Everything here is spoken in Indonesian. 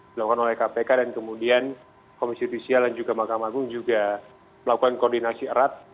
dilakukan oleh kpk dan kemudian komisi judisial dan juga mahkamah agung juga melakukan koordinasi erat